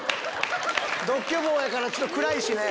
独居房やからちょっと暗いしね。